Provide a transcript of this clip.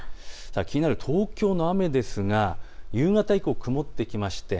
気になる東京の雨ですが夕方以降、曇ってきまして